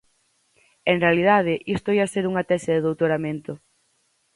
En realidade isto ía ser unha tese de doutoramento.